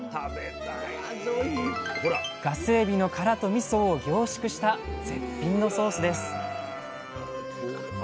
ガスエビの殻とみそを凝縮した絶品のソースです